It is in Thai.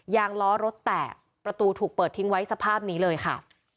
ยางล้อรถแตะประตูถูกเปิดทิ้งไว้สภาพนี้เลยค่ะ